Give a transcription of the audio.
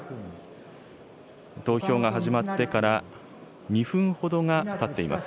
投票が始まってから２分ほどがたっています。